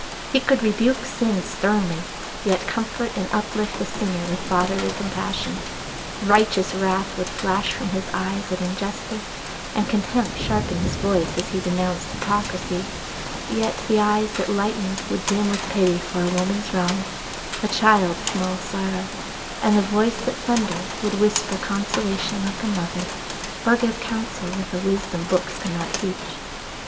He could rebuke sin sternly, yet comfort and uplift the sinner with fatherly compassion; righteous wrath would flash from his eyes at injustice, and contempt sharpen his voice as he denounced hypocrisy: yet the eyes that lightened would dim with pity for a woman's wrong, a child's small sorrow; and the voice that thundered would whisper consolation like a mother, or give counsel with a wisdom books cannot teach.